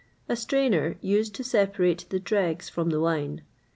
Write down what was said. A strainer, used to separate the dregs from the wine.